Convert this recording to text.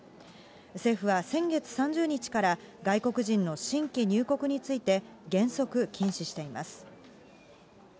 政府は先月３０日から、外国人の新規入国について、原則禁止しています。